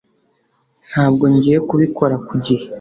Ntabwo ngiye kubikora ku gihe